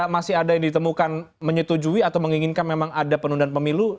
masih ada yang ditemukan menyetujui atau menginginkan memang ada penundaan pemilu